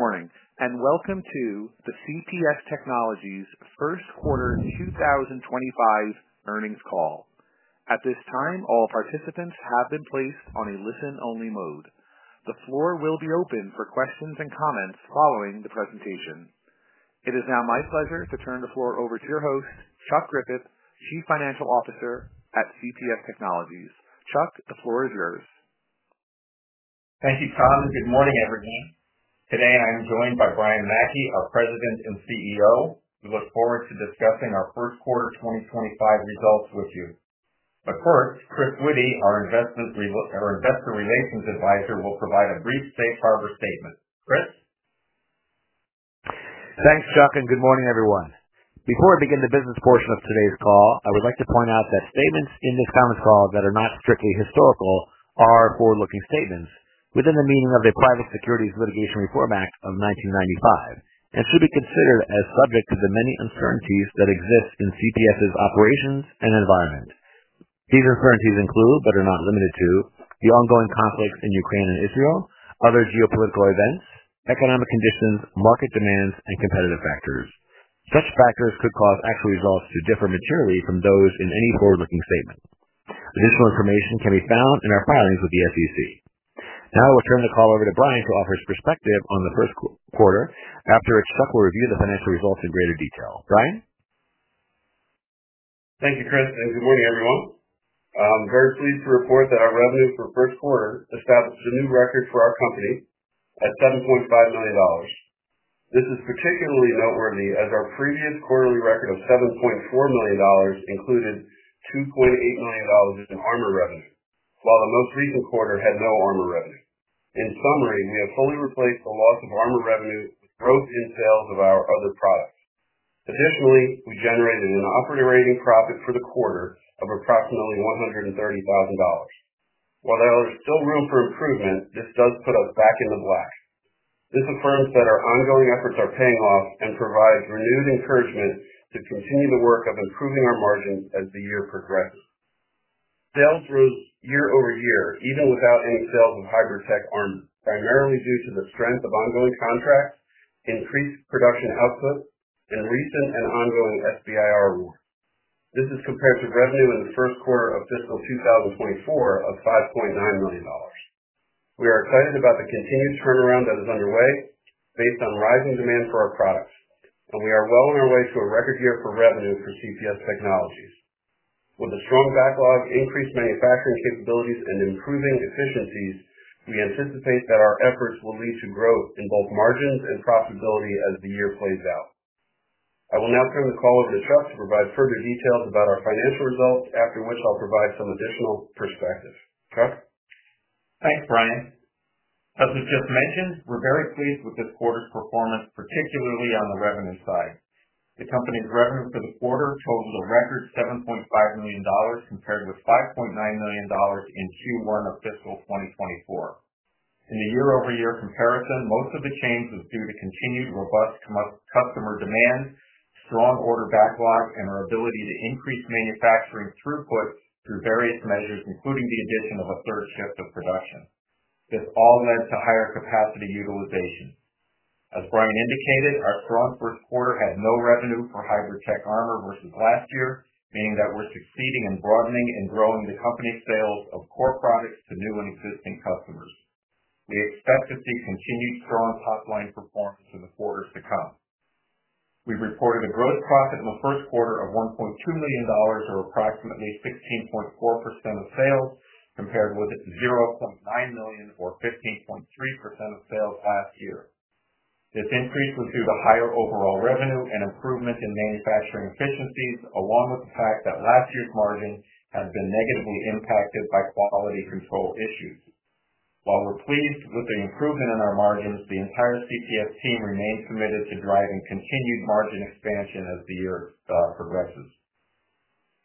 Morning, and welcome to the CPS Technologies first quarter 2025 earnings call. At this time, all participants have been placed on a listen-only mode. The floor will be open for questions and comments following the presentation. It is now my pleasure to turn the floor over to your host, Chuck Griffith, Chief Financial Officer at CPS Technologies. Chuck, the floor is yours. Thank you, Tom, and good morning, everyone. Today I am joined by Brian Mackey, our President and CEO. We look forward to discussing our first quarter 2025 results with you. But first, Chris Witty, our Investor Relations Advisor, will provide a brief safe harbor statement. Chris? Thanks, Chuck, and good morning, everyone. Before I begin the business portion of today's call, I would like to point out that statements in this conference call that are not strictly historical are forward-looking statements within the meaning of the Private Securities Litigation Reform Act of 1995 and should be considered as subject to the many uncertainties that exist in CPS's operations and environment. These uncertainties include, but are not limited to, the ongoing conflicts in Ukraine and Israel, other geopolitical events, economic conditions, market demands, and competitive factors. Such factors could cause actual results to differ materially from those in any forward-looking statement. Additional information can be found in our filings with the SEC. Now I will turn the call over to Brian to offer his perspective on the first quarter, after which Chuck will review the financial results in greater detail. Brian? Thank you, Chris, and good morning, everyone. I'm very pleased to report that our revenue for the first quarter established a new record for our company at $7.5 million. This is particularly noteworthy as our previous quarterly record of $7.4 million included $2.8 million in armor revenue, while the most recent quarter had no armor revenue. In summary, we have fully replaced the loss of armor revenue with growth in sales of our other products. Additionally, we generated an operating profit for the quarter of approximately $130,000. While there is still room for improvement, this does put us back in the black. This affirms that our ongoing efforts are paying off and provides renewed encouragement to continue the work of improving our margins as the year progresses. Sales rose year over year, even without any sales of Hybrid Tech Armor, primarily due to the strength of ongoing contracts, increased production output, and recent and ongoing SBIR awards. This is compared to revenue in the first quarter of fiscal 2024 of $5.9 million. We are excited about the continued turnaround that is underway based on rising demand for our products, and we are well on our way to a record year for revenue for CPS Technologies. With a strong backlog, increased manufacturing capabilities, and improving efficiencies, we anticipate that our efforts will lead to growth in both margins and profitability as the year plays out. I will now turn the call over to Chuck to provide further details about our financial results, after which I'll provide some additional perspective. Chuck? Thanks, Brian. As was just mentioned, we're very pleased with this quarter's performance, particularly on the revenue side. The company's revenue for the quarter totaled a record $7.5 million compared with $5.9 million in Q1 of fiscal 2024. In the year-over-year comparison, most of the change was due to continued robust customer demand, strong order backlog, and our ability to increase manufacturing throughput through various measures, including the addition of a third shift of production. This all led to higher capacity utilization. As Brian indicated, our strong first quarter had no revenue for Hybrid Tech Armor versus last year, meaning that we're succeeding in broadening and growing the company's sales of core products to new and existing customers. We expect to see continued strong top-line performance in the quarters to come. We've reported a gross profit in the first quarter of $1.2 million, or approximately 16.4% of sales, compared with $0.9 million, or 15.3% of sales last year. This increase was due to higher overall revenue and improvement in manufacturing efficiencies, along with the fact that last year's margin had been negatively impacted by quality control issues. While we're pleased with the improvement in our margins, the entire CPS team remains committed to driving continued margin expansion as the year progresses.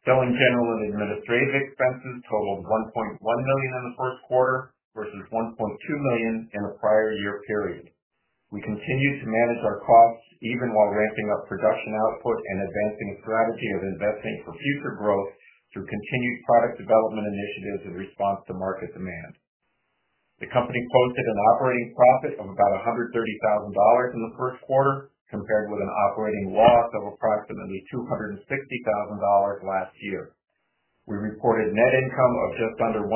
Selling, general and administrative expenses totaled $1.1 million in the first quarter versus $1.2 million in a prior year period. We continue to manage our costs even while ramping up production output and advancing a strategy of investing for future growth through continued product development initiatives in response to market demand. The company posted an operating profit of about $130,000 in the first quarter, compared with an operating loss of approximately $260,000 last year. We reported net income of just under $100,000,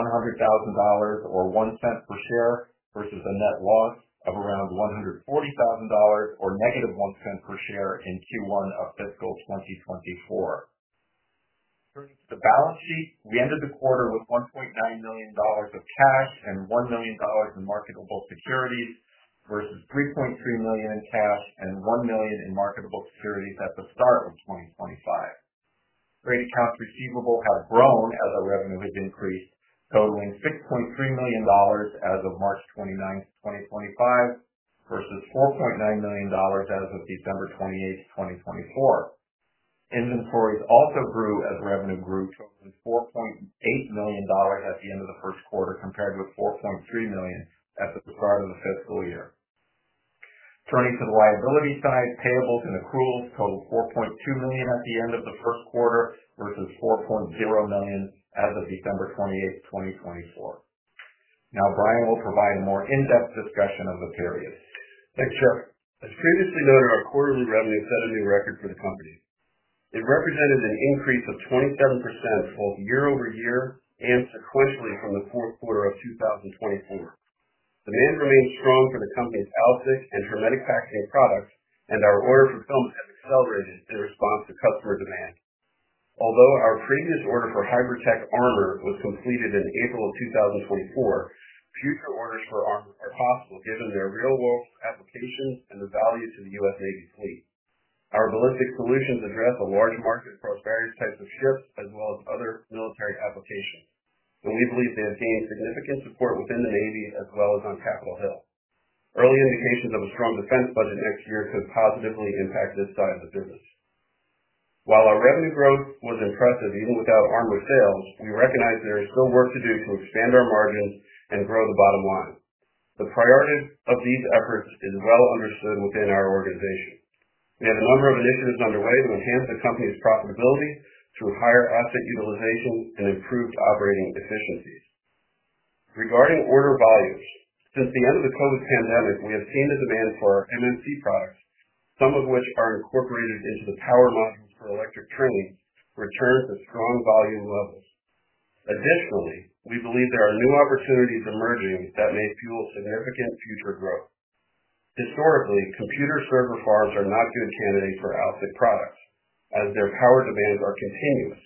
or one cent per share, versus a net loss of around $140,000, or negative one cent per share in Q1 of fiscal 2024. Turning to the balance sheet, we ended the quarter with $1.9 million of cash and $1 million in marketable securities versus $3.3 million in cash and $1 million in marketable securities at the start of 2024. Accounts receivable have grown as our revenue has increased, totaling $6.3 million as of March 29, 2025, versus $4.9 million as of December 28, 2024. Inventories also grew as revenue grew, totaling $4.8 million at the end of the first quarter, compared with $4.3 million at the start of the fiscal year. Turning to the liability side, payables and accruals totaled $4.2 million at the end of the first quarter versus $4.0 million as of December 28, 2024. Now, Brian will provide a more in-depth discussion of the period. Thanks, Chuck. As previously noted, our quarterly revenue set a new record for the company. It represented an increase of 27% both year over year and sequentially from the fourth quarter of 2024. Demand remains strong for the company's AlSiC and hermetic packaging products, and our order fulfillment has accelerated in response to customer demand. Although our previous order for Hybrid Tech Armor was completed in April of 2024, future orders for armor are possible given their real-world applications and the value to the U.S. Navy fleet. Our ballistic solutions address a large market across various types of ships as well as other military applications, and we believe they have gained significant support within the Navy as well as on Capitol Hill. Early indications of a strong defense budget next year could positively impact this side of the business. While our revenue growth was impressive even without armor sales, we recognize there is still work to do to expand our margins and grow the bottom line. The priority of these efforts is well understood within our organization. We have a number of initiatives underway to enhance the company's profitability through higher asset utilization and improved operating efficiencies. Regarding order volumes, since the end of the COVID pandemic, we have seen the demand for our MMC products, some of which are incorporated into the power modules for electric training, return to strong volume levels. Additionally, we believe there are new opportunities emerging that may fuel significant future growth. Historically, computer server farms are not good candidates for AlSiC products as their power demands are continuous,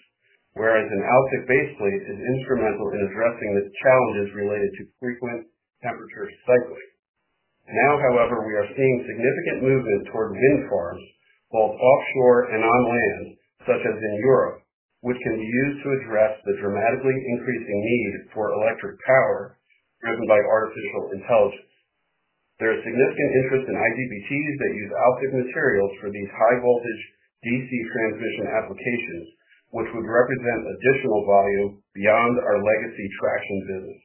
whereas an AlSiC base plate is instrumental in addressing the challenges related to frequent temperature cycling. Now, however, we are seeing significant movement toward wind farms both offshore and on land, such as in Europe, which can be used to address the dramatically increasing need for electric power driven by artificial intelligence. There is significant interest in IGBTs that use AlSiC materials for these high-voltage DC transmission applications, which would represent additional volume beyond our legacy traction business.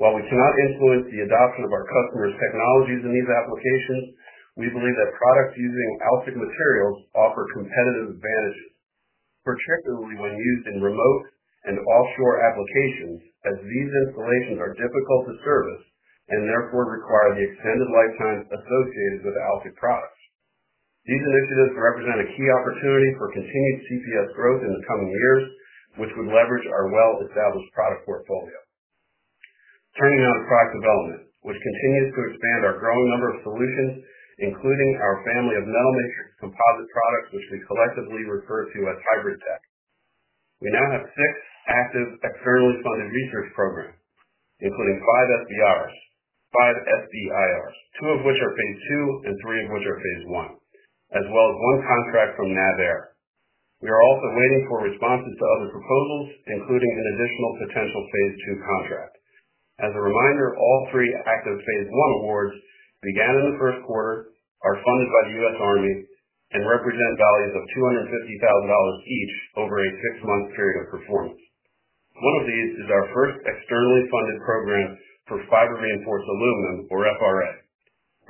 While we cannot influence the adoption of our customers' technologies in these applications, we believe that products using AlSiC materials offer competitive advantages, particularly when used in remote and offshore applications, as these installations are difficult to service and therefore require the extended lifetime associated with AlSiC products. These initiatives represent a key opportunity for continued CPS Technologies growth in the coming years, which would leverage our well-established product portfolio. Turning now to product development, which continues to expand our growing number of solutions, including our family of metal-based composite products, which we collectively refer to as hybrid tech. We now have six active externally funded research programs, including five SBIRs, two of which are phase II and III of which are phase one, as well as one contract from NAVAIR. We are also waiting for responses to other proposals, including an additional potential phase two contract. As a reminder, all three active phase one awards began in the first quarter, are funded by the U.S. Army, and represent values of $250,000 each over a six-month period of performance. One of these is our first externally funded program for fiber-reinforced aluminum, or FRA,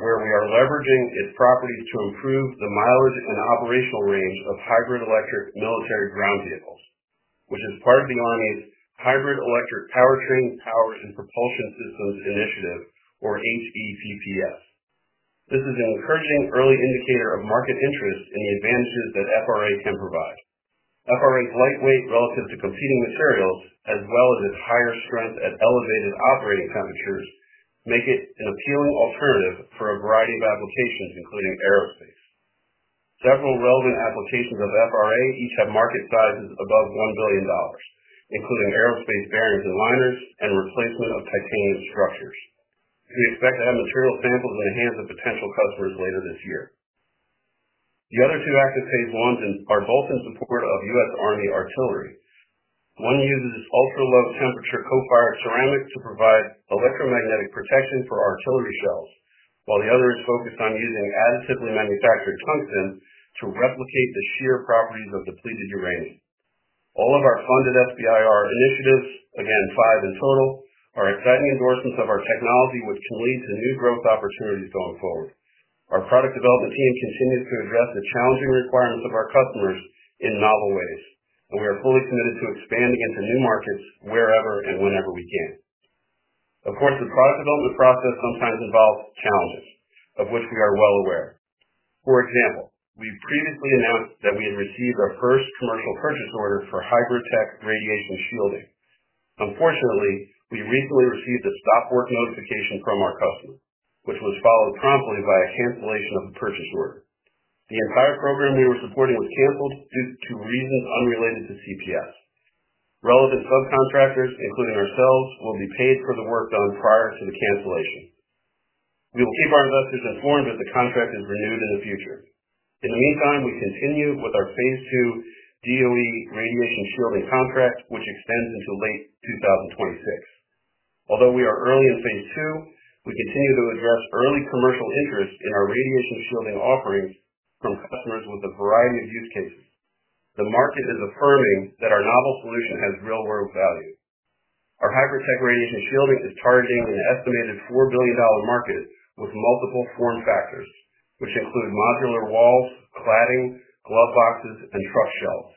where we are leveraging its properties to improve the mileage and operational range of hybrid electric military ground vehicles, which is part of the Army's Hybrid Electric Powertrain Power and Propulsion Systems Initiative, or HEPPS. This is an encouraging early indicator of market interest in the advantages that FRA can provide. FRA's lightweight relative to competing materials, as well as its higher strength at elevated operating temperatures, make it an appealing alternative for a variety of applications, including aerospace. Several relevant applications of FRA each have market sizes above $1 billion, including aerospace bearings and liners and replacement of titanium structures. We expect to have material samples in the hands of potential customers later this year. The other two active phase ones are both in support of U.S. Army artillery. One uses ultra-low temperature co-firing ceramic to provide electromagnetic protection for artillery shells, while the other is focused on using additively manufactured tungsten to replicate the sheer properties of depleted uranium. All of our funded SBIR initiatives, again five in total, are exciting endorsements of our technology, which can lead to new growth opportunities going forward. Our product development team continues to address the challenging requirements of our customers in novel ways, and we are fully committed to expanding into new markets wherever and whenever we can. Of course, the product development process sometimes involves challenges, of which we are well aware. For example, we previously announced that we had received our first commercial purchase order for hybrid tech radiation shielding. Unfortunately, we recently received a stop work notification from our customer, which was followed promptly by a cancellation of the purchase order. The entire program we were supporting was canceled due to reasons unrelated to CPS. Relevant subcontractors, including ourselves, will be paid for the work done prior to the cancellation. We will keep our investors informed if the contract is renewed in the future. In the meantime, we continue with our phase two DOE radiation shielding contract, which extends into late 2026. Although we are early in phase two, we continue to address early commercial interest in our radiation shielding offerings from customers with a variety of use cases. The market is affirming that our novel solution has real-world value. Our hybrid tech radiation shielding is targeting an estimated $4 billion market with multiple form factors, which include modular walls, cladding, glove boxes, and truck shelves.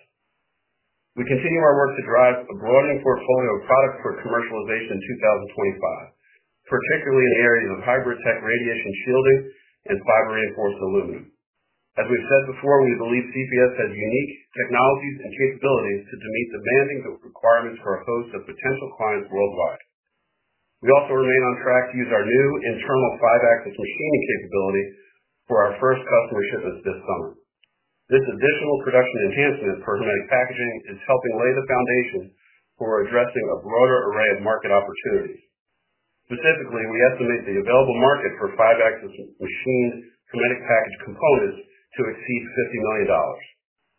We continue our work to drive a broadening portfolio of products for commercialization in 2025, particularly in the areas of hybrid tech radiation shielding and fiber-reinforced aluminum. As we've said before, we believe CPS has unique technologies and capabilities to meet demanding requirements for a host of potential clients worldwide. We also remain on track to use our new internal five-axis machining capability for our first customer shipments this summer. This additional production enhancement for hermetic packaging is helping lay the foundation for addressing a broader array of market opportunities. Specifically, we estimate the available market for five-axis machined hermetic package components to exceed $50 million,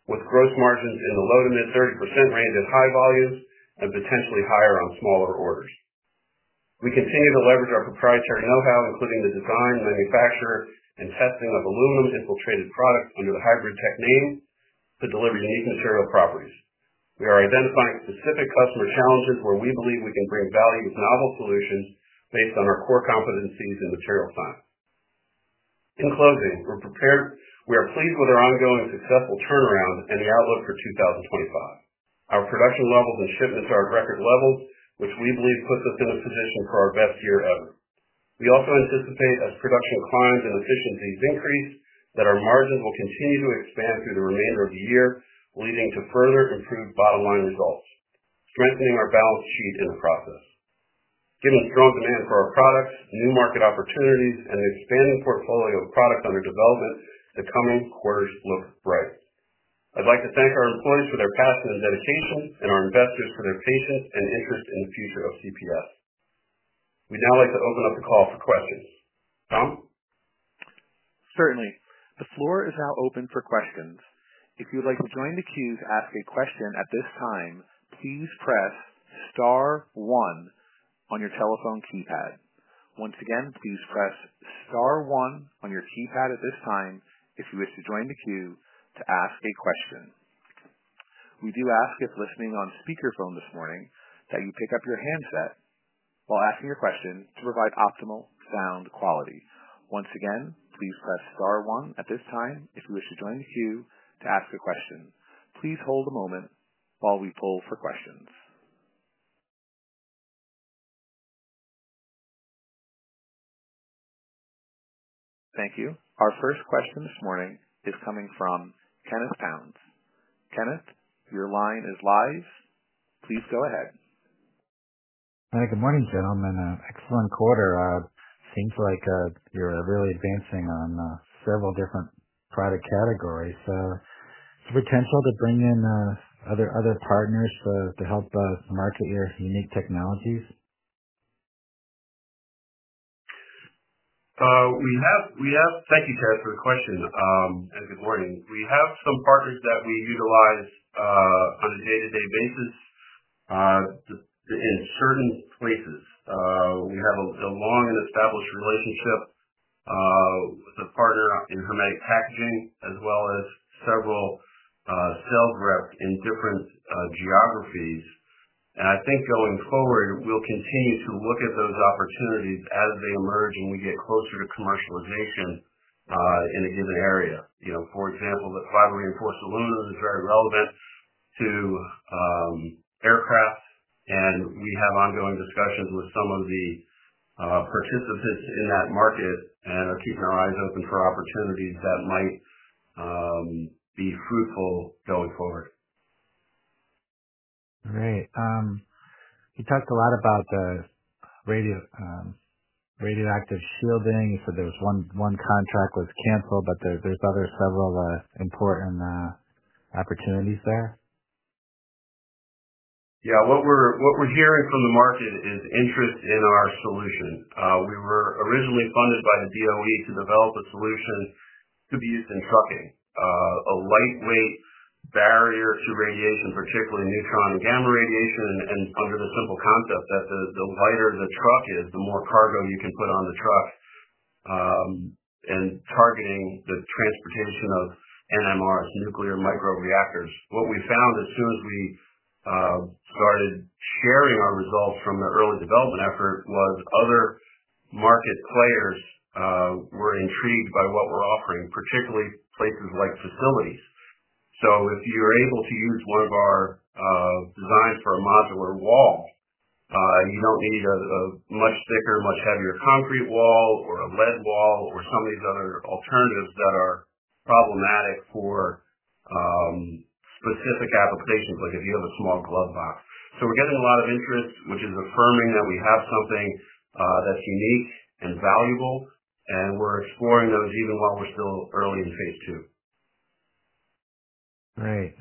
with gross margins in the low to mid 30% range at high volumes and potentially higher on smaller orders. We continue to leverage our proprietary know-how, including the design, manufacture, and testing of aluminum-infiltrated products under the hybrid tech name, to deliver unique material properties. We are identifying specific customer challenges where we believe we can bring value with novel solutions based on our core competencies in material science. In closing, we are pleased with our ongoing successful turnaround and the outlook for 2025. Our production levels and shipments are at record levels, which we believe puts us in a position for our best year ever. We also anticipate, as production climbs and efficiencies increase, that our margins will continue to expand through the remainder of the year, leading to further improved bottom line results, strengthening our balance sheet in the process. Given strong demand for our products, new market opportunities, and the expanding portfolio of products under development, the coming quarters look bright. I'd like to thank our employees for their passion and dedication, and our investors for their patience and interest in the future of CPS. We'd now like to open up the call for questions. Tom? Certainly. The floor is now open for questions. If you'd like to join the queue to ask a question at this time, please press star one on your telephone keypad. Once again, please press star one on your keypad at this time if you wish to join the queue to ask a question. We do ask, if listening on speakerphone this morning, that you pick up your handset while asking your question to provide optimal sound quality. Once again, please press star one at this time if you wish to join the queue to ask a question. Please hold a moment while we pull for questions. Thank you. Our first question this morning is coming from Kenneth Pounds. Kenneth, your line is live. Please go ahead. Hi, good morning, gentlemen. Excellent quarter. Seems like you're really advancing on several different product categories. Is there potential to bring in other partners to help market your unique technologies? We have. Thank you, Ken, for the question, and good morning. We have some partners that we utilize on a day-to-day basis in certain places. We have a long and established relationship with a partner in hermetic packaging, as well as several sales reps in different geographies. I think going forward, we'll continue to look at those opportunities as they emerge and we get closer to commercialization in a given area. For example, the fiber-reinforced aluminum is very relevant to aircraft, and we have ongoing discussions with some of the participants in that market and are keeping our eyes open for opportunities that might be fruitful going forward. All right. You talked a lot about the radiation shielding. You said there was one contract was canceled, but there's other several important opportunities there. Yeah. What we're hearing from the market is interest in our solution. We were originally funded by the DOE to develop a solution to be used in trucking, a lightweight barrier to radiation, particularly neutron and gamma radiation, and under the simple concept that the lighter the truck is, the more cargo you can put on the truck, and targeting the transportation of NMRs, nuclear micro-reactors. What we found as soon as we started sharing our results from the early development effort was other market players were intrigued by what we're offering, particularly places like facilities. If you're able to use one of our designs for a modular wall, you don't need a much thicker, much heavier concrete wall or a lead wall or some of these other alternatives that are problematic for specific applications, like if you have a small glove box. We're getting a lot of interest, which is affirming that we have something that's unique and valuable, and we're exploring those even while we're still early in phase II. Great.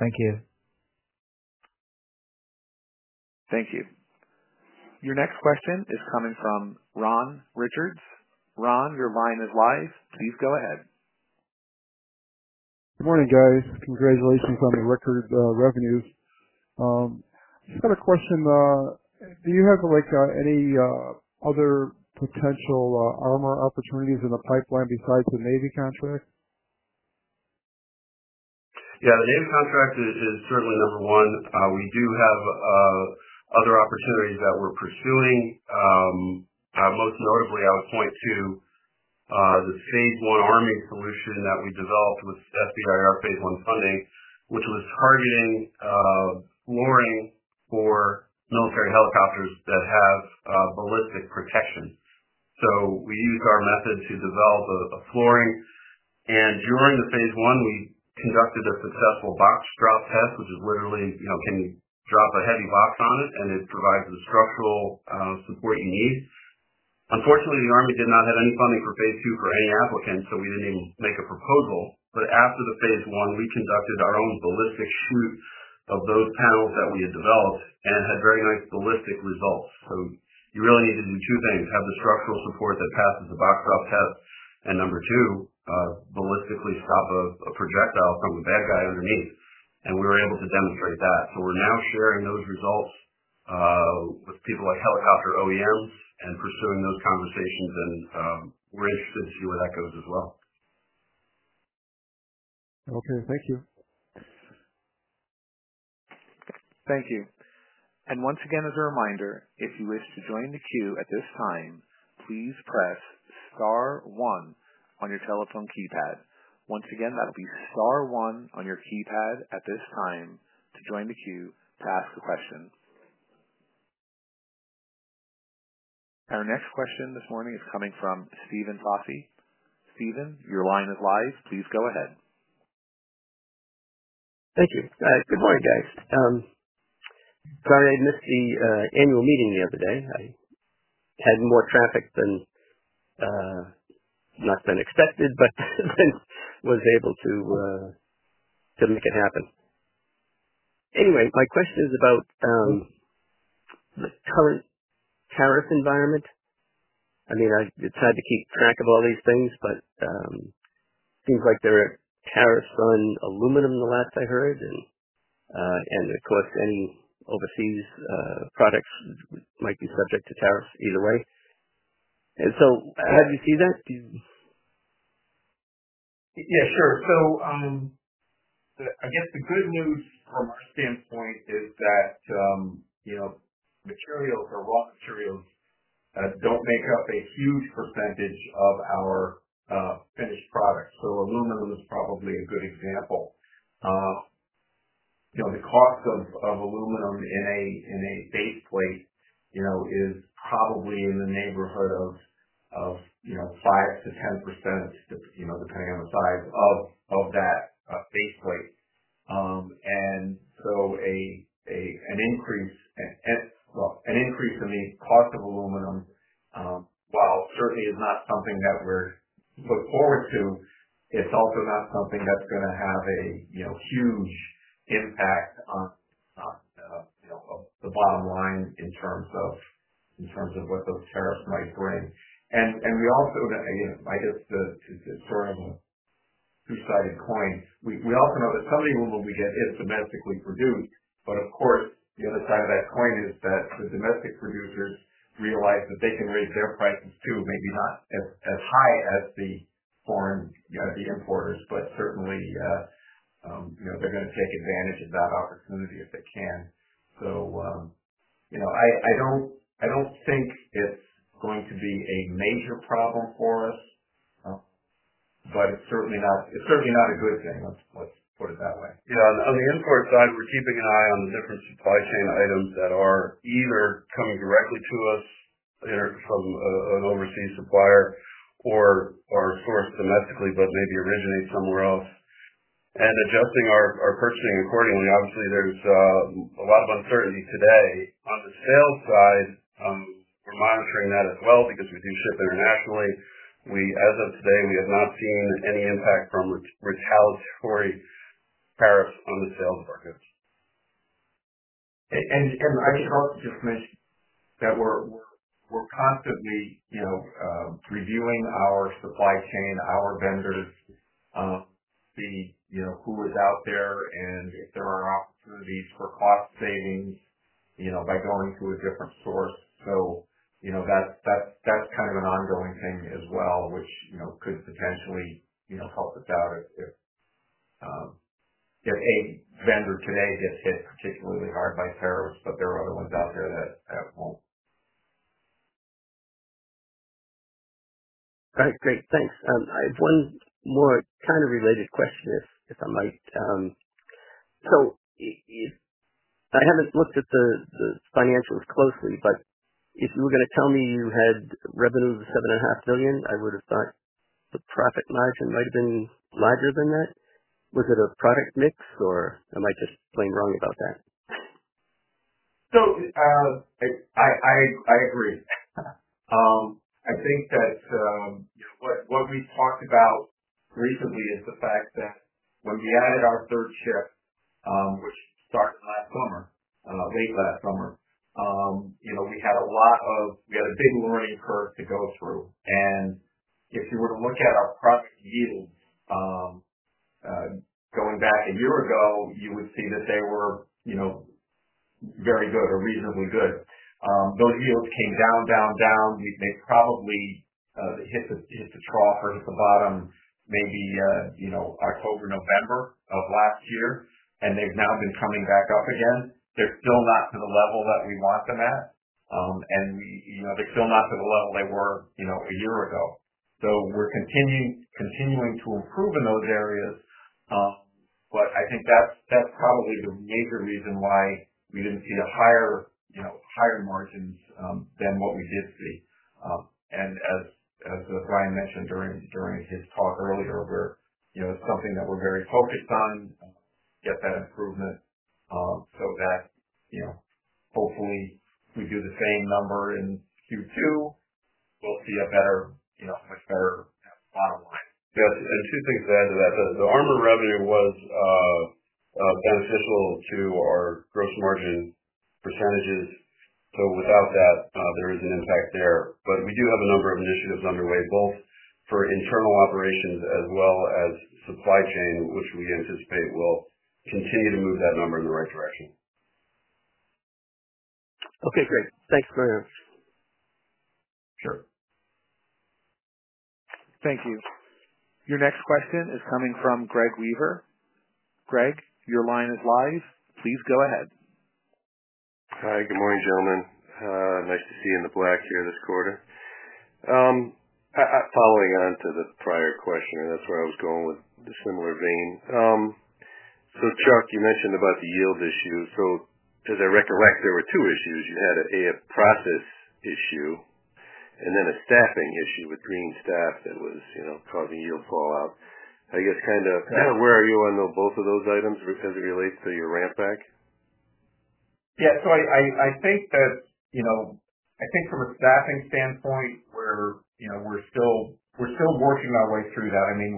Thank you. Thank you. Your next question is coming from Ron Richards. Ron, your line is live. Please go ahead. Good morning, guys. Congratulations on the record revenues. Just got a question. Do you have any other potential armor opportunities in the pipeline besides the Navy contract? Yeah. The Navy contract is certainly number one. We do have other opportunities that we're pursuing. Most notably, I would point to the phase one Army solution that we developed with SBIR phase one funding, which was targeting flooring for military helicopters that have ballistic protection. We used our method to develop a flooring. During the phase one, we conducted a successful box drop test, which is literally, can you drop a heavy box on it, and it provides the structural support you need. Unfortunately, the Army did not have any funding for phase II for any applicants, so we did not even make a proposal. After the phase I, we conducted our own ballistic shoot of those panels that we had developed and had very nice ballistic results. You really need to do two things: have the structural support that passes the box drop test, and number two, ballistically stop a projectile from the bad guy underneath. We were able to demonstrate that. We are now sharing those results with people like helicopter OEMs and pursuing those conversations, and we are interested to see where that goes as well. Okay. Thank you. Thank you. Once again, as a reminder, if you wish to join the queue at this time, please press star one on your telephone keypad. Once again, that will be star one on your keypad at this time to join the queue to ask a question. Our next question this morning is coming from Stephen Fosse. Stephen, your line is live. Please go ahead. Thank you. Good morning, guys. Sorry, I missed the annual meeting the other day. I had more traffic than expected, but was able to make it happen. Anyway, my question is about the current tariff environment. I mean, I decided to keep track of all these things, but it seems like there are tariffs on aluminum, the last I heard. Of course, any overseas products might be subject to tariffs either way. How do you see that? Yeah, sure. I guess the good news from our standpoint is that materials, or raw materials, do not make up a huge percentage of our finished products. Aluminum is probably a good example. The cost of aluminum in a base plate is probably in the neighborhood of 5%-10%, depending on the size of that base plate. An increase in the cost of aluminum, while certainly it is not something that we are looking forward to, is also not something that is going to have a huge impact on the bottom line in terms of what those tariffs might bring. We also, I guess, it is sort of a two-sided coin. We also know that some of the aluminum we get is domestically produced, but of course, the other side of that coin is that the domestic producers realize that they can raise their prices too, maybe not as high as the foreign importers, but certainly they're going to take advantage of that opportunity if they can. I don't think it's going to be a major problem for us, but it's certainly not a good thing. Let's put it that way. Yeah. On the import side, we're keeping an eye on the different supply chain items that are either coming directly to us from an overseas supplier or are sourced domestically, but maybe originate somewhere else, and adjusting our purchasing accordingly. Obviously, there's a lot of uncertainty today. On the sales side, we're monitoring that as well because we do ship internationally. As of today, we have not seen any impact from retaliatory tariffs on the sales of our goods. I should also just mention that we're constantly reviewing our supply chain, our vendors, who is out there, and if there are opportunities for cost savings by going to a different source. That's kind of an ongoing thing as well, which could potentially help us out if a vendor today gets hit particularly hard by tariffs, but there are other ones out there that won't. All right. Great. Thanks. I have one more kind of related question, if I might. I have not looked at the financials closely, but if you were going to tell me you had revenue of $7.5 million, I would have thought the profit margin might have been larger than that. Was it a product mix, or am I just plain wrong about that? I agree. I think that what we've talked about recently is the fact that when we added our third ship, which started late last summer, we had a big learning curve to go through. If you were to look at our product yields going back a year ago, you would see that they were very good or reasonably good. Those yields came down, down, down. We've probably hit the trough or hit the bottom maybe October, November of last year, and they've now been coming back up again. They're still not to the level that we want them at, and they're still not to the level they were a year ago. We're continuing to improve in those areas, but I think that's probably the major reason why we didn't see higher margins than what we did see. As Brian mentioned during his talk earlier, it is something that we are very focused on, get that improvement so that hopefully we do the same number in Q2, we will see a much better bottom line. Yeah. Two things to add to that. The armor revenue was beneficial to our gross margin percentages. Without that, there is an impact there. We do have a number of initiatives underway, both for internal operations as well as supply chain, which we anticipate will continue to move that number in the right direction. Okay. Great. Thanks, Brian. Sure. Thank you. Your next question is coming from Greg Weaver. Greg, your line is live. Please go ahead. Hi. Good morning, gentlemen. Nice to see you in the black here this quarter. Following on to the prior question, and that's where I was going with the similar vein. Chuck, you mentioned about the yield issue. As I recollect, there were two issues. You had a process issue and then a staffing issue with green staff that was causing yield fallout. I guess kind of where are you on both of those items as it relates to your ramp back? Yeah. I think that you know, I think from a staffing standpoint, we're still working our way through that. I mean,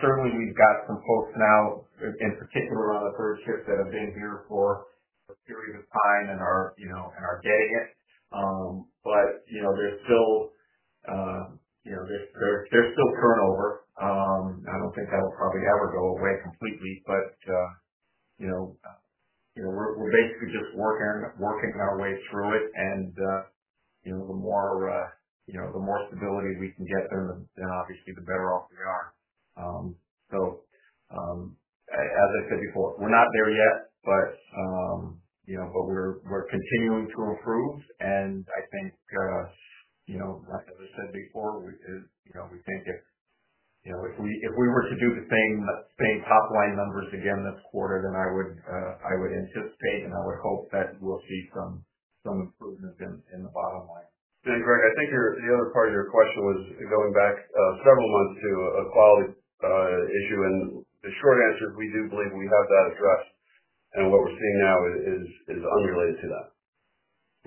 certainly we've got some folks now, in particular on the third shift, that have been here for a period of time and are getting it. There's still turnover. I don't think that will probably ever go away completely, but we're basically just working our way through it. The more stability we can get them, obviously the better off we are. As I said before, we're not there yet, but we're continuing to improve. I think, as I said before, we think if we were to do the same top line numbers again this quarter, I would anticipate and I would hope that we'll see some improvement in the bottom line. Greg, I think the other part of your question was going back several months to a quality issue. The short answer is we do believe we have that addressed. What we're seeing now is unrelated to that.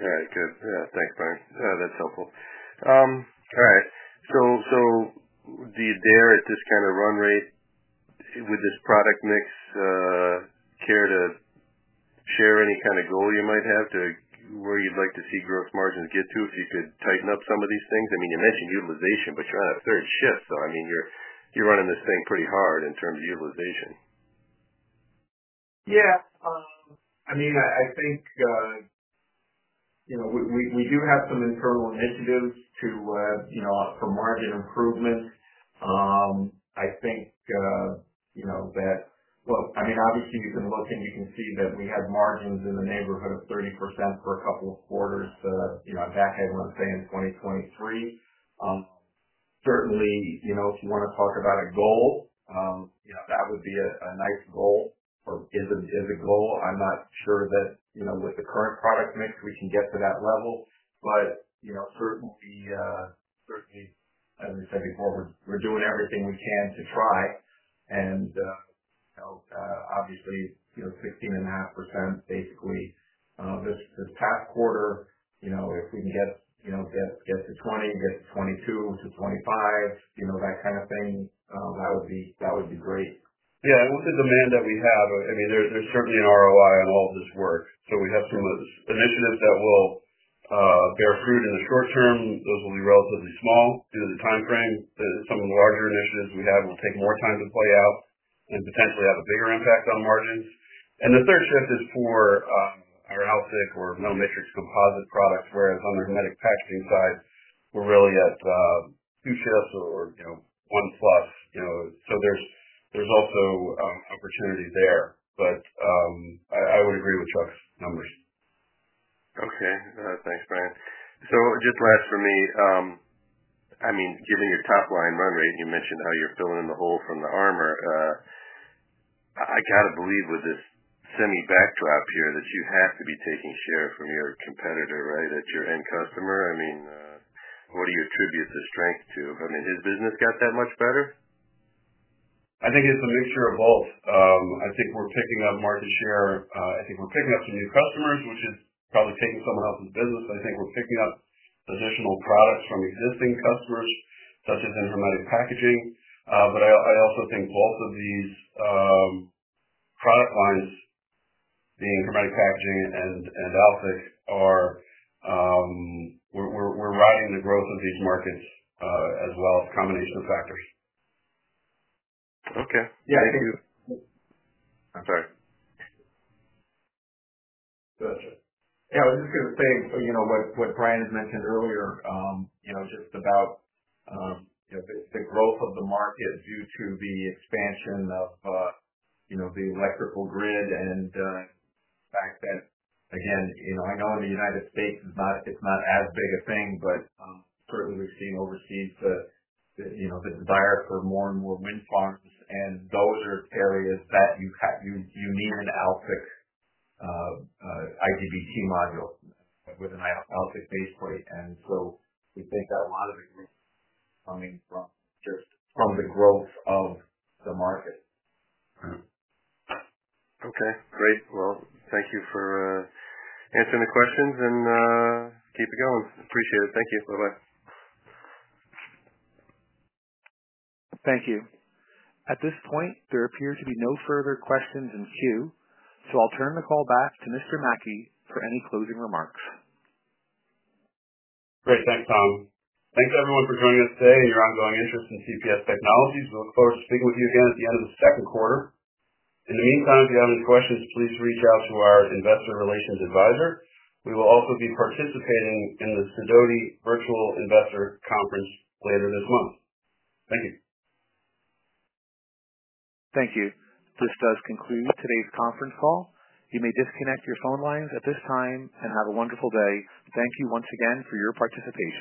All right. Good. Yeah. Thanks, Brian. That's helpful. All right. Do you dare at this kind of run rate with this product mix care to share any kind of goal you might have to where you'd like to see gross margins get to if you could tighten up some of these things? I mean, you mentioned utilization, but you're on a third shift. I mean, you're running this thing pretty hard in terms of utilization. Yeah. I mean, I think we do have some internal initiatives for margin improvement. I think that, well, I mean, obviously you can look and you can see that we had margins in the neighborhood of 30% for a couple of quarters back, I want to say in 2023. Certainly, if you want to talk about a goal, that would be a nice goal or is a goal. I'm not sure that with the current product mix we can get to that level, but certainly, as I said before, we're doing everything we can to try. Obviously, 16.5% basically this past quarter, if we can get to 20%, get to 22%, to 25%, that kind of thing, that would be great. Yeah. With the demand that we have, I mean, there's certainly an ROI on all of this work. We have some initiatives that will bear fruit in the short term. Those will be relatively small due to the time frame. Some of the larger initiatives we have will take more time to play out and potentially have a bigger impact on margins. The third shift is for our AlSiC or metal matrix composite products, whereas on the hermetic packaging side, we're really at two shifts or one plus. There is also opportunity there, but I would agree with Chuck's numbers. Okay. Thanks, Brian. Just last for me, I mean, given your top line run rate, and you mentioned how you're filling in the hole from the armor, I got to believe with this semi backdrop here that you have to be taking share from your competitor, right, at your end customer. I mean, what do you attribute the strength to? I mean, has business got that much better? I think it's a mixture of both. I think we're picking up market share. I think we're picking up some new customers, which is probably taking someone else's business. I think we're picking up additional products from existing customers, such as in hermetic packaging. I also think both of these product lines, being hermetic packaging and AlSiC, we're riding the growth of these markets as well as a combination of factors. Okay. Thank you. I'm sorry. Gotcha. Yeah. I was just going to say what Brian had mentioned earlier, just about the growth of the market due to the expansion of the electrical grid and the fact that, again, I know in the United States it's not as big a thing, but certainly we've seen overseas the desire for more and more wind farms. Those are areas that you need an AlSiC IGBT module with an AlSiC base plate. We think that a lot of it is coming from just the growth of the market. Okay. Great. Thank you for answering the questions and keep it going. Appreciate it. Thank you. Bye-bye. Thank you. At this point, there appear to be no further questions in queue. I will turn the call back to Mr. Mackey for any closing remarks. Great. Thanks, Tom. Thanks, everyone, for joining us today and your ongoing interest in CPS Technologies. We look forward to speaking with you again at the end of the second quarter. In the meantime, if you have any questions, please reach out to our Investor Relations Advisor. We will also be participating in the Sidoti Virtual Investor Conference later this month. Thank you. Thank you. This does conclude today's conference call. You may disconnect your phone lines at this time and have a wonderful day. Thank you once again for your participation.